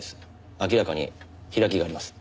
明らかに開きがあります。